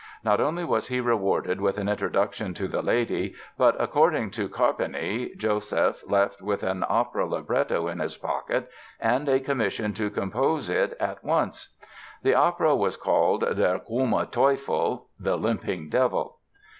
Not only was he rewarded with an introduction to the lady but, according to Carpani, Joseph left with an opera libretto in his pocket and a commission to compose it at once. The opera was called "Der krumme Teufel" ("The Limping Devil").